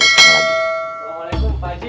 assalamualaikum pak haji